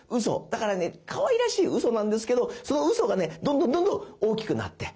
だからねかわいらしい嘘なんですけどその嘘がねどんどんどんどん大きくなって。